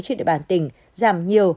trên địa bàn tỉnh giảm nhiều